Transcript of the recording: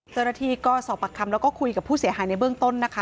เจ้าหน้าที่ก็สอบปากคำแล้วก็คุยกับผู้เสียหายในเบื้องต้นนะคะ